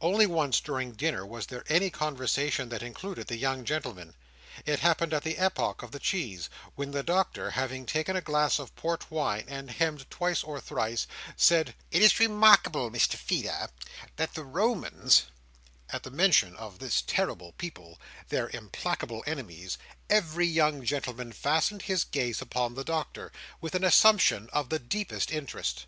Only once during dinner was there any conversation that included the young gentlemen. It happened at the epoch of the cheese, when the Doctor, having taken a glass of port wine, and hemmed twice or thrice, said: "It is remarkable, Mr Feeder, that the Romans—" At the mention of this terrible people, their implacable enemies, every young gentleman fastened his gaze upon the Doctor, with an assumption of the deepest interest.